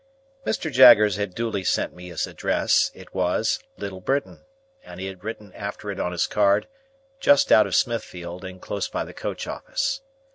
Mr. Jaggers had duly sent me his address; it was, Little Britain, and he had written after it on his card, "just out of Smithfield, and close by the coach office."